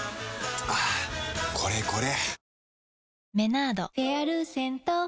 はぁこれこれ！